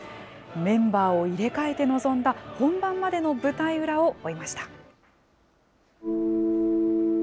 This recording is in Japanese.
メンバーを入れ替えて臨んだ本番までの舞台裏を追いました。